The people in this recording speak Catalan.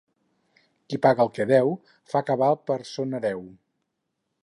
Qui paga el que deu, fa cabal per son hereu.